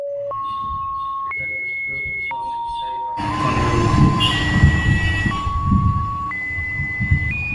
এটা দেখতে ও খেতে অনেকটাই লটকন-এর মত।